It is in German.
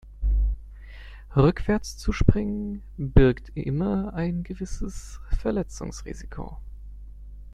Rückwärts zu springen birgt immer ein gewisses Verletzungsrisiko.